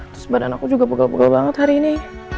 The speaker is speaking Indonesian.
terus badan aku juga pegel pegal banget hari ini